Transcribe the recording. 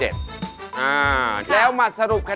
สวัสดีครับ